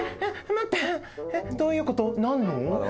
待ってどういうこと？